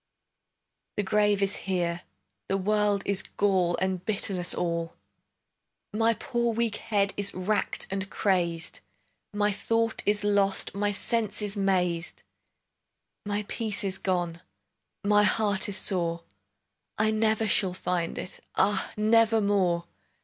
The grave is here; The world is gall And bitterness all. My poor weak head Is racked and crazed; My thought is lost, My senses mazed. My peace is gone, My heart is sore: I never shall find it, Ah, nevermore!